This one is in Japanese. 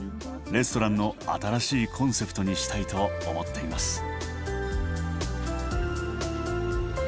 レストランの新しいコンセプトにしたいと思っています。